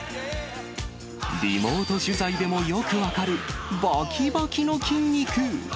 リモート取材でもよく分かる、ばきばきの筋肉。